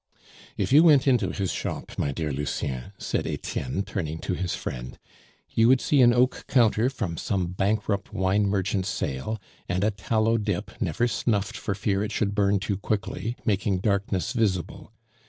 "If you went into his shop, my dear Lucien," said Etienne, turning to his friend, "you would see an oak counter from some bankrupt wine merchant's sale, and a tallow dip, never snuffed for fear it should burn too quickly, making darkness visible.